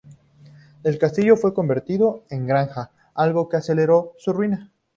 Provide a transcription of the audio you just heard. El castillo fue convertido en granja, algo que aceleró su ruina.